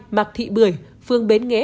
mạc thị bưởi phường bến nghé